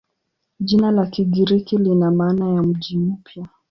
Jina la Kigiriki lina maana ya "mji mpya".